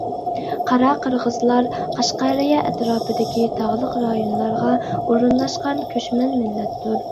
قارا قىرغىزلار قەشقەرىيە ئەتراپىدىكى تاغلىق رايونلارغا ئورۇنلاشقان كۆچمەن مىللەتتۇر.